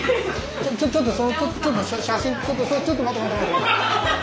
ちょちょっと写真ちょっと待って待って。